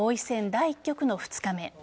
第１局の２日目。